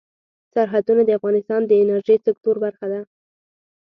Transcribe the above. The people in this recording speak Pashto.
سرحدونه د افغانستان د انرژۍ سکتور برخه ده.